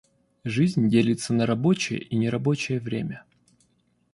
Жизнь делится на рабочее и нерабочее время.